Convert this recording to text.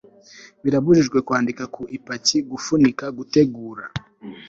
Birabujijwe kwandika ku ipaki gufunika gutegura